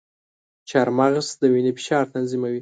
چارمغز د وینې فشار تنظیموي.